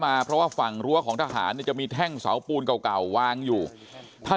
มาเพราะว่าฝั่งรั้วของทหารเนี่ยจะมีแท่งเสาปูนเก่าเก่าวางอยู่ถ้า